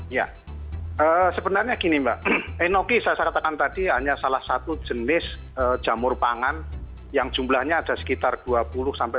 iya sebenarnya gini mbak enoki saya syaratkan tadi hanya salah satu jenis jamur pangan yang jumlahnya ada sekitar dua puluh dua puluh tiga yang dikonsumsi oleh masyarakat